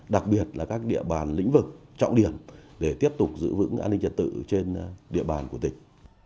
đặc biệt là các địa bàn lĩnh vực trọng điểm để tiếp tục giữ vững an ninh trật tự trên địa bàn của tỉnh